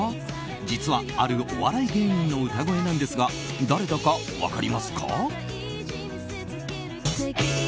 実は、あるお笑い芸人の歌声なんですが誰だか分かりますか？